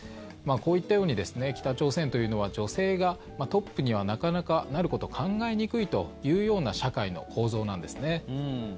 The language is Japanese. こういったように北朝鮮というのは女性がトップにはなかなかなること考えにくいというような社会の構造なんですね。